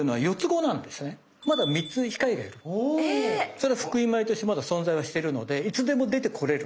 それは福井米としてまだ存在はしてるのでいつでも出てこれる。